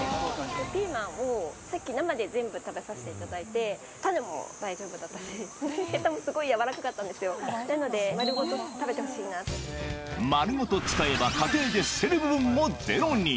ピーマンをさっき、生で全部食べさせていただいて、種も大丈夫だったし、へたもすごい柔らかかったんですよ、丸ごと使えば家庭で捨てる部分もゼロに。